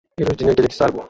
Îroj dinya gelekî sar bû.